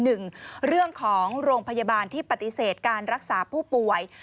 หนึ่งเรื่องของโรงพยาบาลที่ปฏิเสธการรักษาผู้ป่วย